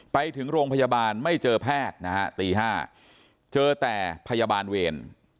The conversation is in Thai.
ไปถึงโรงพยาบาลไม่เจอแพทย์นะฮะตี๕เจอแต่พยาบาลเวร